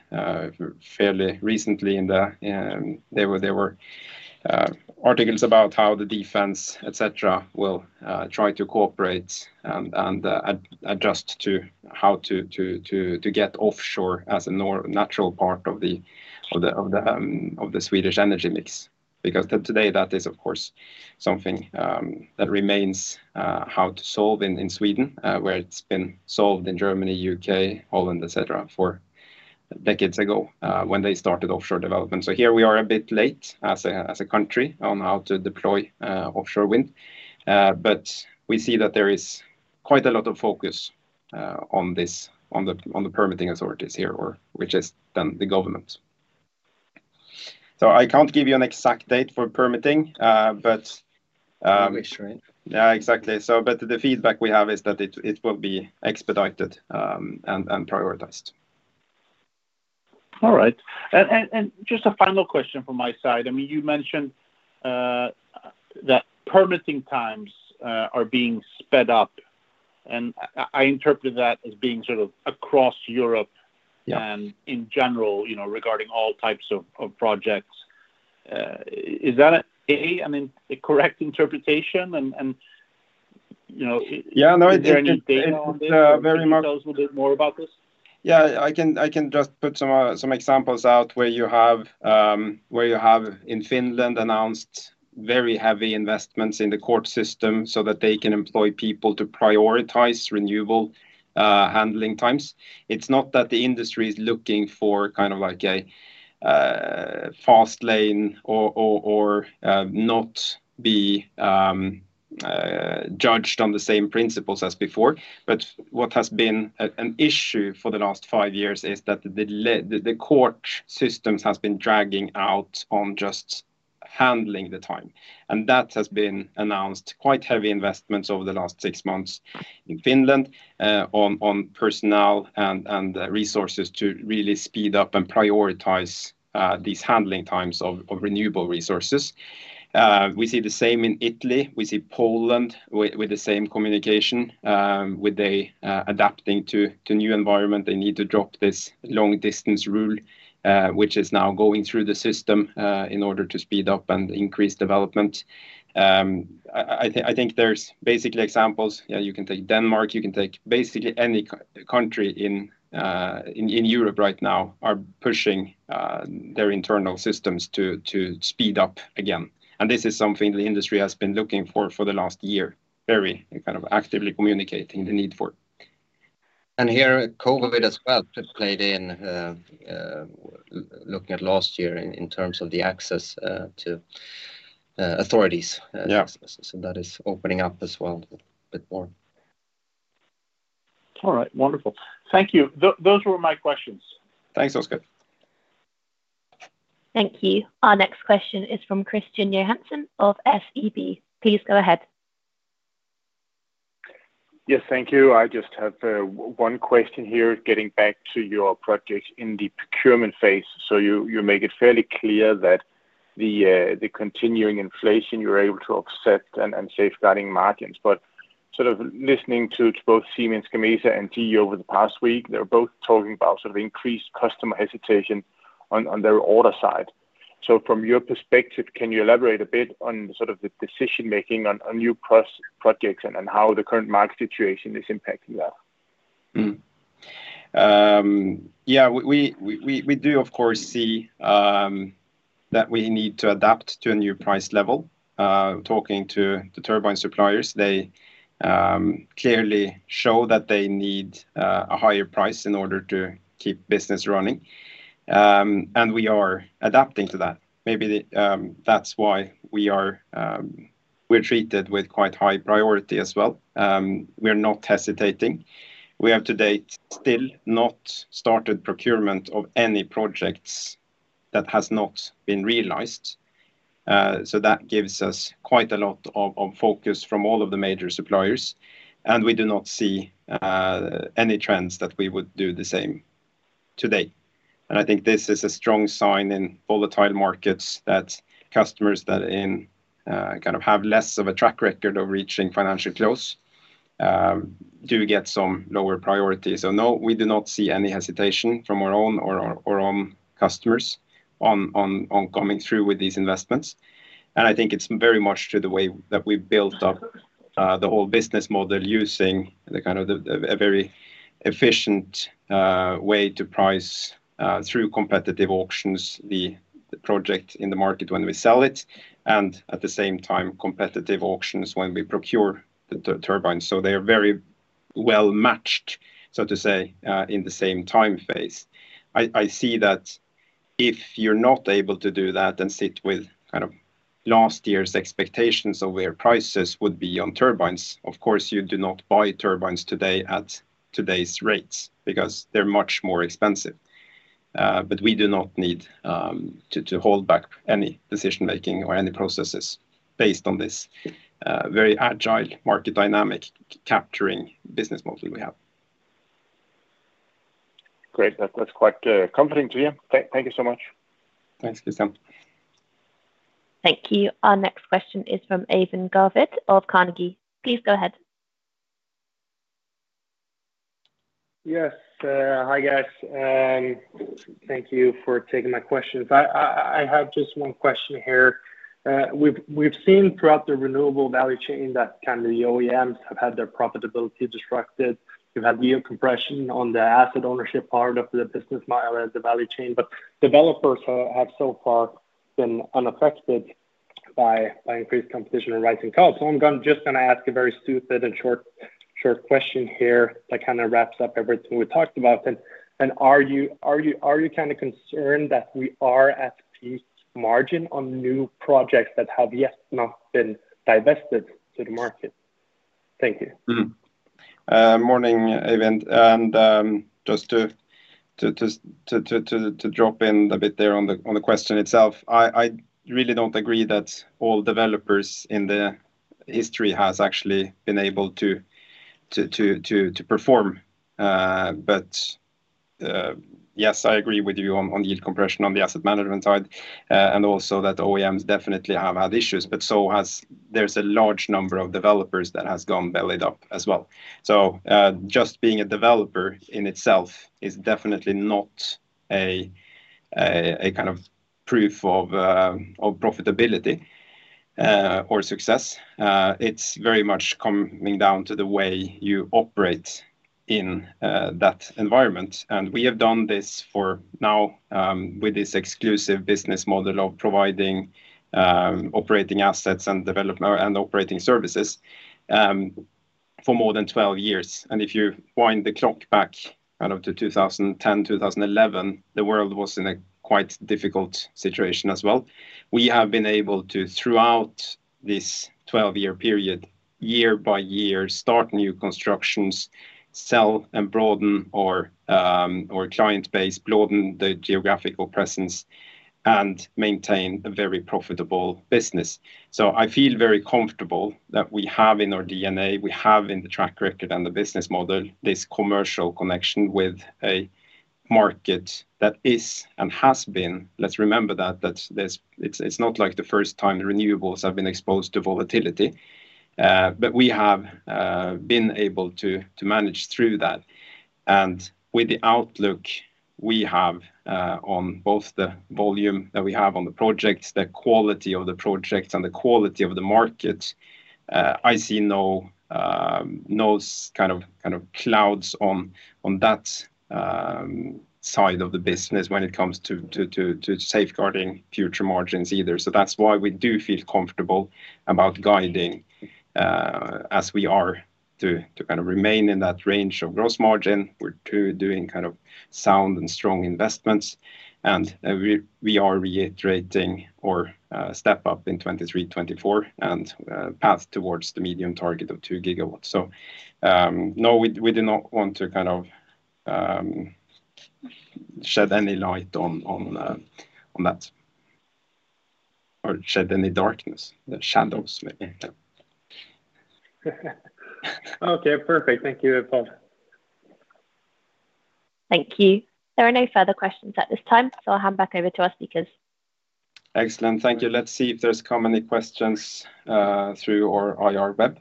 fairly recently, there were articles about how the defense, et cetera, will try to cooperate and adjust to how to get offshore as a natural part of the Swedish energy mix. Because today that is, of course, something that remains how to solve in Sweden, where it's been solved in Germany, U.K., Holland, et cetera, decades ago, when they started offshore development. Here we are a bit late as a country on how to deploy offshore wind. We see that there is quite a lot of focus on the permitting authorities here, or which is then the government. I can't give you an exact date for permitting. Make sure, yeah. Yeah, exactly. The feedback we have is that it will be expedited and prioritized. All right. Just a final question from my side. I mean, you mentioned that permitting times are being sped up, and I interpreted that as being sort of across Europe- Yeah In general, you know, regarding all types of projects. Is that, I mean, a correct interpretation? Yeah, no, it very much. Is there any data on this, or can you tell us a bit more about this? Yeah, I can just put some examples out where you have in Finland announced very heavy investments in the court system so that they can employ people to prioritize renewable handling times. It's not that the industry is looking for kind of like a fast lane or not be judged on the same principles as before, but what has been an issue for the last five years is that the court systems has been dragging out on just handling the time. That has been announced quite heavy investments over the last six months in Finland on personnel and resources to really speed up and prioritize these handling times of renewable resources. We see the same in Italy. We see Poland with the same communication with adapting to new environment. They need to drop this long distance rule, which is now going through the system, in order to speed up and increase development. I think there's basically examples. Yeah, you can take Denmark, you can take basically any country in Europe right now are pushing their internal systems to speed up again. This is something the industry has been looking for the last year, very kind of actively communicating the need for. Here, COVID as well played in, looking at last year in terms of the access to authorities. Yeah. That is opening up as well a bit more. All right. Wonderful. Thank you. Those were my questions. Thanks, Oskar. Thank you. Our next question is from Kristian Johansen of SEB. Please go ahead. Yes, thank you. I just have one question here, getting back to your project in the procurement phase. You make it fairly clear that the continuing inflation you're able to offset and safeguarding margins. Sort of listening to both Siemens Gamesa and Vestas over the past week, they're both talking about sort of increased customer hesitation on their order side. From your perspective, can you elaborate a bit on sort of the decision-making on new projects and how the current market situation is impacting that? Yeah. We do of course see that we need to adapt to a new price level. Talking to the turbine suppliers, they clearly show that they need a higher price in order to keep business running. We are adapting to that. Maybe that's why we're treated with quite high priority as well. We're not hesitating. We have to date still not started procurement of any projects that has not been realized. That gives us quite a lot of focus from all of the major suppliers, and we do not see any trends that we would do the same today. I think this is a strong sign in volatile markets that customers that kind of have less of a track record of reaching financial close do get some lower priority. No, we do not see any hesitation from our own customers on coming through with these investments. I think it's very much to the way that we've built up the whole business model using the kind of a very efficient way to price through competitive auctions the project in the market when we sell it, and at the same time, competitive auctions when we procure the turbines. They're very well-matched, so to say, in the same time phase. I see that if you're not able to do that and sit with kind of last year's expectations of where prices would be on turbines, of course you do not buy turbines today at today's rates, because they're much more expensive. We do not need to hold back any decision-making or any processes based on this very agile market dynamic capturing business model we have. Great. That's quite comforting to hear. Thank you so much. Thanks, Kristian. Thank you. Our next question is from Eivind Garvik of Carnegie. Please go ahead. Yes. Hi, guys. Thank you for taking my questions. I have just one question here. We've seen throughout the renewable value chain that kind of the OEMs have had their profitability disrupted. We've had yield compression on the asset ownership part of the business model as the value chain, but developers have so far been unaffected by increased competition and rising costs. I'm just gonna ask a very stupid and short question here that kind of wraps up everything we talked about. Are you kind of concerned that we are at peak margin on new projects that have yet not been divested to the market? Thank you. Morning, Eivind, and just to drop in a bit there on the question itself. I really don't agree that all developers in the history has actually been able to perform. Yes, I agree with you on yield compression on the asset management side, and also that the OEMs definitely have had issues, but there's a large number of developers that has gone belly up as well. Just being a developer in itself is definitely not a kind of proof of profitability or success. It's very much coming down to the way you operate in that environment. We have done this for now with this exclusive business model of providing operating assets and operating services for more than 12 years. If you wind the clock back kind of to 2010, 2011, the world was in a quite difficult situation as well. We have been able to, throughout this 12-year period, year by year, start new constructions, sell and broaden our our client base, broaden the geographical presence, and maintain a very profitable business. I feel very comfortable that we have in our DNA, we have in the track record and the business model, this commercial connection with a market that is and has been, let's remember that. It's not like the first time renewables have been exposed to volatility. We have been able to manage through that. With the outlook we have on both the volume that we have on the projects, the quality of the projects and the quality of the market, I see no kind of clouds on that side of the business when it comes to safeguarding future margins either. That's why we do feel comfortable about guiding as we are to kind of remain in that range of gross margin. We're too doing kind of sound and strong investments, and we are reiterating our step up in 2023, 2024 and path towards the medium target of 2 GW. No, we do not want to shed any light on that or shed any darkness, the shadows maybe? Okay, perfect. Thank you, Paul. Thank you. There are no further questions at this time, so I'll hand back over to our speakers. Excellent. Thank you. Let's see if there are any questions through our IR web.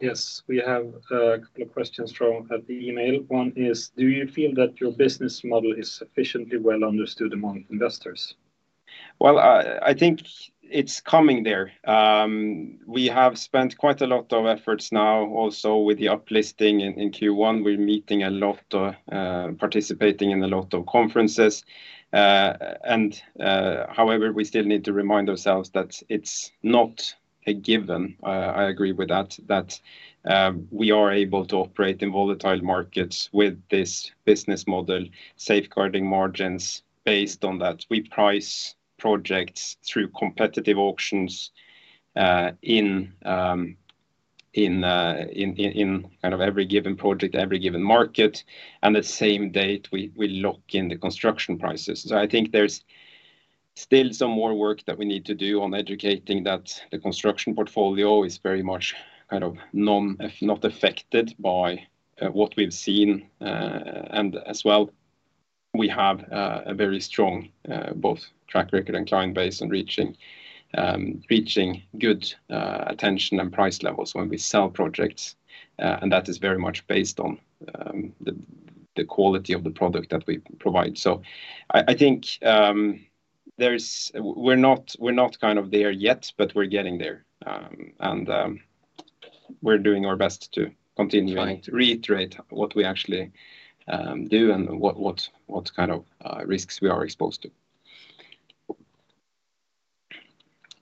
Yes. We have a couple of questions from the email. One is, do you feel that your business model is sufficiently well understood among investors? Well, I think it's coming there. We have spent quite a lot of efforts now also with the uplisting in Q1. We're meeting a lot, participating in a lot of conferences. However, we still need to remind ourselves that it's not a given. I agree with that we are able to operate in volatile markets with this business model, safeguarding margins based on that. We price projects through competitive auctions in kind of every given project, every given market, and the same day we lock in the construction prices. I think there's still some more work that we need to do on educating that the construction portfolio is very much kind of not affected by what we've seen. As well, we have a very strong both track record and client base in reaching attainment and price levels when we sell projects. That is very much based on the quality of the product that we provide. We're not kind of there yet, but we're getting there. We're doing our best to continue and reiterate what we actually do and what kind of risks we are exposed to.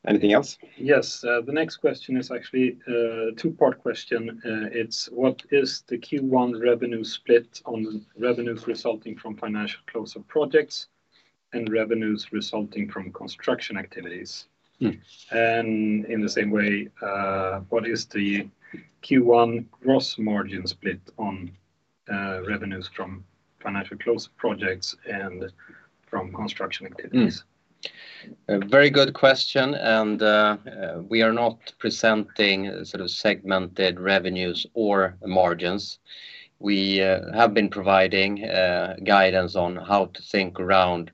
Anything else? Yes. The next question is actually a two-part question. It's what is the Q1 revenue split on revenues resulting from financial close of projects and revenues resulting from construction activities? Mm. In the same way, what is the Q1 gross margin split on revenues from financial close of projects and from construction activities? A very good question, we are not presenting sort of segmented revenues or margins. We have been providing guidance on how to think around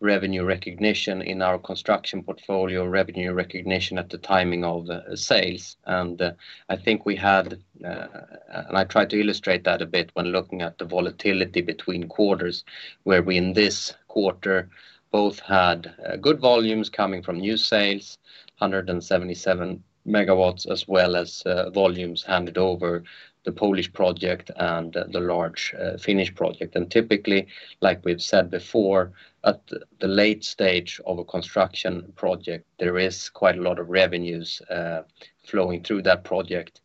revenue recognition in our construction portfolio, revenue recognition at the timing of the sales. I think I tried to illustrate that a bit when looking at the volatility between quarters, where we in this quarter both had good volumes coming from new sales, 177 MW, as well as volumes handed over the Polish project and the large Finnish project. Typically, like we've said before, at the late stage of a construction project, there is quite a lot of revenues flowing through that project.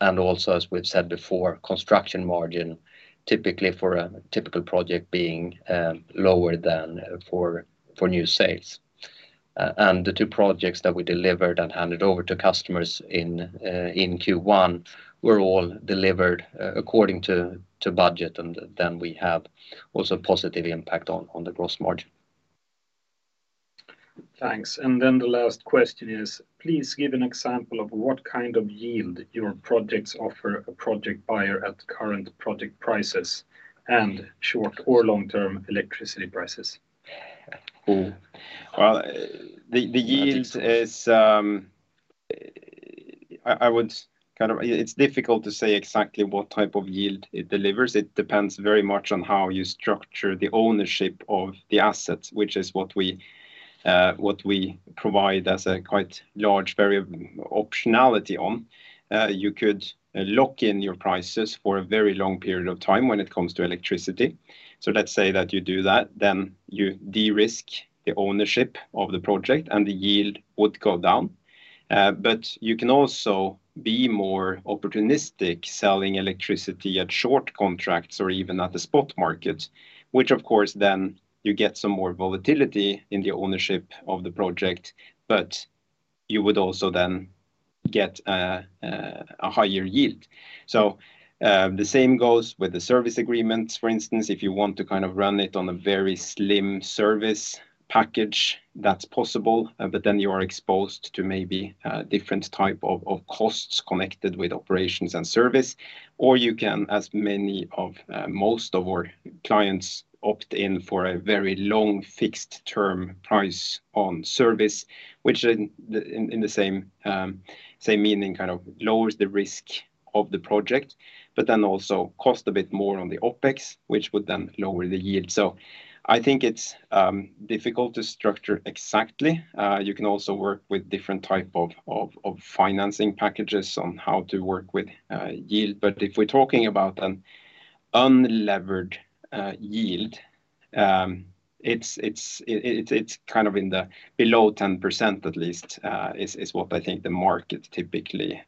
Also, as we've said before, construction margin, typically for a typical project being lower than for new sales. The two projects that we delivered and handed over to customers in Q1 were all delivered according to budget, and then we have also positive impact on the gross margin. Thanks. The last question is, please give an example of what kind of yield your projects offer a project buyer at current project prices and short- or long-term electricity prices. Well, the yield is. I would kind of. It's difficult to say exactly what type of yield it delivers. It depends very much on how you structure the ownership of the assets, which is what we provide as a quite large variable optionality on. You could lock in your prices for a very long period of time when it comes to electricity. Let's say that you do that. You de-risk the ownership of the project and the yield would go down. You can also be more opportunistic selling electricity at short contracts or even at the spot market, which of course then you get some more volatility in the ownership of the project, but you would also then get a higher yield. The same goes with the service agreements, for instance. If you want to kind of run it on a very slim service package, that's possible, but then you are exposed to maybe a different type of costs connected with operations and service. You can, as many of most of our clients opt in for a very long fixed term price on service, which in the same meaning kind of lowers the risk of the project, but then also cost a bit more on the OpEx, which would then lower the yield. I think it's difficult to structure exactly. You can also work with different type of financing packages on how to work with yield. If we're talking about an unlevered yield, it's kind of below 10% at least, is what I think the market typically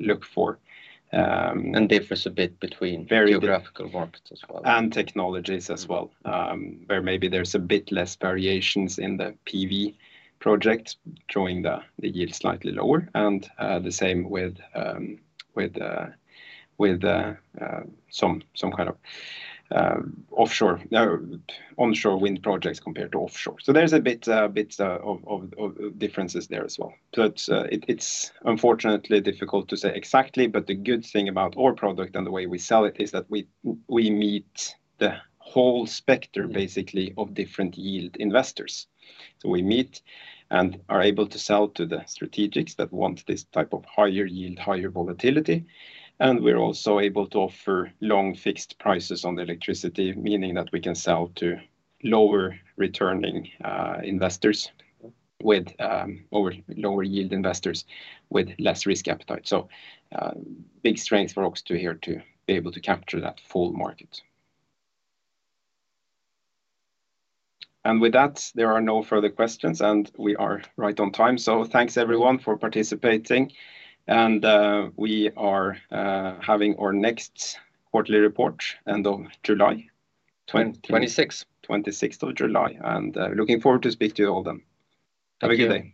look for. Differs a bit between... Very- ...geographical markets as well. Technologies as well, where maybe there's a bit less variation in the PV project, drawing the yield slightly lower, and the same with some kind of onshore wind projects compared to offshore. There's a bit of differences there as well. It's unfortunately difficult to say exactly, but the good thing about our product and the way we sell it is that we meet the whole spectrum basically of different yield investors. We meet and are able to sell to the strategics that want this type of higher yield, higher volatility, and we're also able to offer long fixed prices on the electricity, meaning that we can sell to lower returning or lower yield investors with less risk appetite. Big strength for OX2 here to be able to capture that full market. With that, there are no further questions, and we are right on time. Thanks everyone for participating. We are having our next quarterly report end of July. 26th. 26th of July, looking forward to speak to you all then. Have a good day.